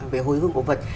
về hồi hương cổ vật